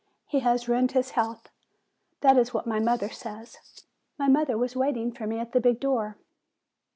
He has ruined his health. That is what my mother says. My mother was waiting for me at the big door.